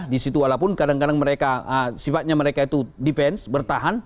di situ walaupun kadang kadang mereka sifatnya mereka itu defense bertahan